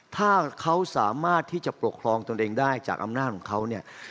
ถ้าเขาสามารถที่จะปกครองตนเองได้จากอำนาจของเขาเนี่ย